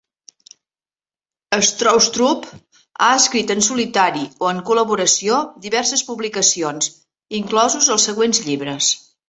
Stroustrup ha escrit en solitari o en col·laboració diverses publicacions, inclosos els següents llibres.